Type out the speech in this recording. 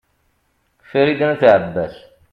farid n at abbas